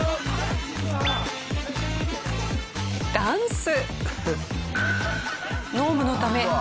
ダンス。